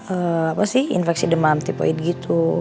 apa sih infeksi demam tipoin gitu